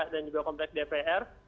dan juga komplek dpr